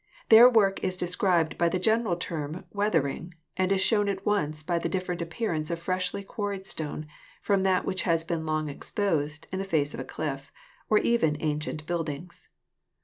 Their work is described by the general term weathering and is shown at once by the different appearance of freshly quarried stone from that which has been long exposed in the face of a cliff, or even in ancient buildings.